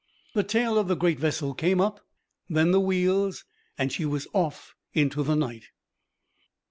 The tail of the great vessel came up, then the wheels, and she was off into the night.